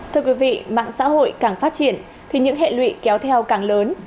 thưa quý vị mạng xã hội càng phát triển thì những hệ lụy kéo theo càng lớn